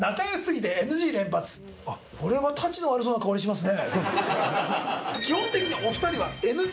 これはたちの悪そうな香りしますね。